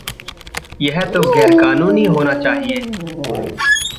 यह तो ग़ैरक़ानूनी होना चाहिए।